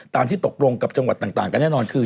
ที่ตกลงกับจังหวัดต่างกันแน่นอนคือ